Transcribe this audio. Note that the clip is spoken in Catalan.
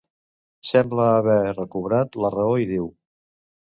Sembla haver recobrat la raó i diu: